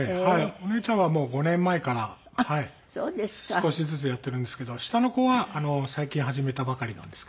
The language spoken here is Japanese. お姉ちゃんはもう５年前から少しずつやってるんですけど下の子は最近始めたばかりなんですけどね。